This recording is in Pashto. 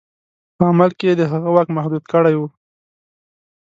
په عمل کې یې د هغه واک محدود کړی وو.